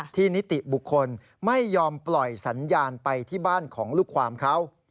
นิติบุคคลไม่ยอมปล่อยสัญญาณไปที่บ้านของลูกความเขา